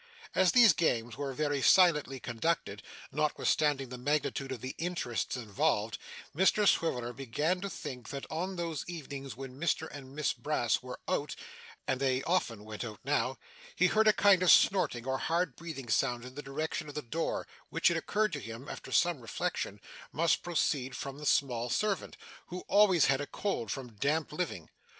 As these games were very silently conducted, notwithstanding the magnitude of the interests involved, Mr Swiveller began to think that on those evenings when Mr and Miss Brass were out (and they often went out now) he heard a kind of snorting or hard breathing sound in the direction of the door, which it occurred to him, after some reflection, must proceed from the small servant, who always had a cold from damp living.